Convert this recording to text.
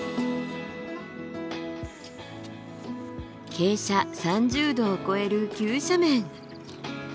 傾斜３０度を超える急斜面。